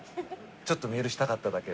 「ちょっとメールしたかっただけ」